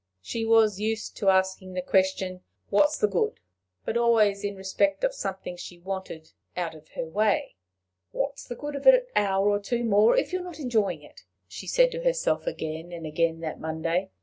She was used to asking the question, What's the good? but always in respect of something she wanted out of her way. "What's the good of an hour or two more if you're not enjoying it?" she said to herself again and again that Monday.